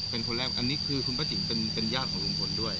เป็นคนแรกอันนี้คือคุณป้าจิ๋มเป็นญาติของลุงพลด้วย